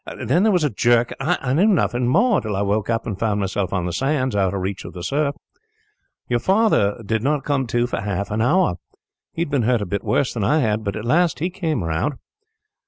Then there was a jerk, and I knew nothing more, till I woke up and found myself on the sands, out of reach of the surf. "Your father did not come to for half an hour. He had been hurt a bit worse than I had, but at last he came round.